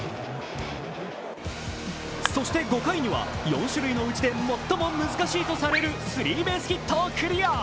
そして５回には４種類のうちで最も難しいとされるスリーベースヒットをクリア。